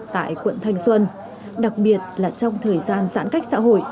tại quận thanh xuân đặc biệt là trong thời gian giãn cách xã hội